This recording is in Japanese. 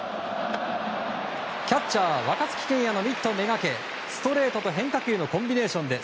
キャッチャー、若月健矢のミット目掛けストレートと変化球のコンビネーションで